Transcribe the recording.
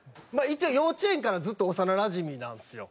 一応幼稚園からずっと幼なじみなんですよ。